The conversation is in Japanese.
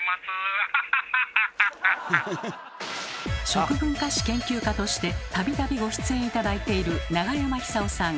食文化史研究家として度々ご出演頂いている永山久夫さん